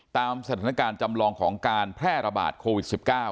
ตามสถานการณ์จำลองของการแพร่ระบาดโควิด๑๙